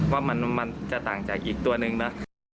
ว่ามันจะต่างจากอีกตัวนึงนะ